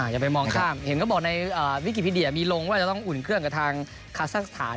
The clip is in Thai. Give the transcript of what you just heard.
อย่าไปมองข้ามเห็นก็บอกในวิกิพีเดียมีลงว่าจะต้องอุ่นเครื่องกับทางคาซักสถาน